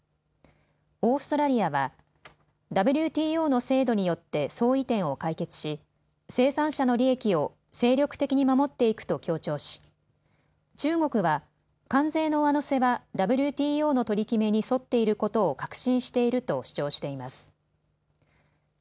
オーストラリアはＷＴＯの制度によって相違点を解決し生産者の利益を精力的に守っていくと強調し中国は関税の上乗せはＷＴＯの取り決めに沿っていることを確信していると主張しています。